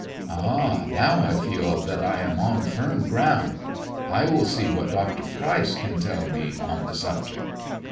" Ah, now I feel that I am on firm ground. I will see what Dr. Pryce can tell me on the subject."